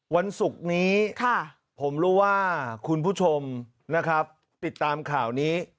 วันศุกร์นี้ผมรู้ว่าคุณผู้ชมนะครับติดตามข่าวนี้